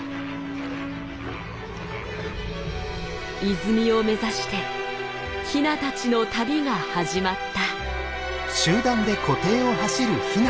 泉を目指してヒナたちの旅が始まった。